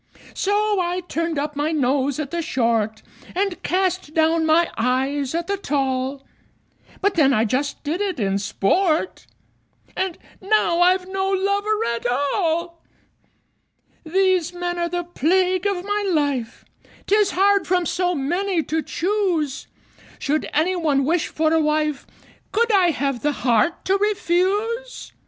So I turned up my nose at the short, And cast down my eyes at the tall; But then I just did it in sport And now I've no lover at all! These men are the plague of my life: 'Tis hard from so many to choose! Should any one wish for a wife, Could I have the heart to refuse?